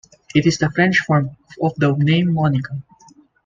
It is the French form of the name Monica.